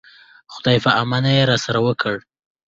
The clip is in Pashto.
خدای په اماني یې راسره وکړه.